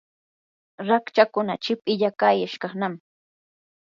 rachakkuna chip illaqayashqanami.